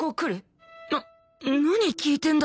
な何聞いてんだ？